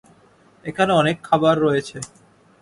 এখানে অনেক খাবার রয়েছে।